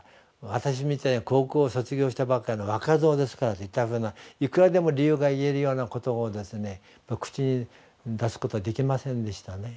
私みたいな高校卒業したばかりの若造ですから」といったふうないくらでも理由が言えるようなことを口に出すことはできませんでしたね。